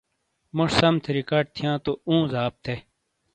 موش سَم تھے ریکارڈ تھِیئاں تو ("اُوں" 👍) زاب تھے۔